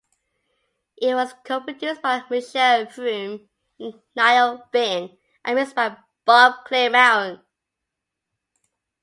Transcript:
It was co-produced by Mitchell Froom and Neil Finn, and mixed by Bob Clearmountain.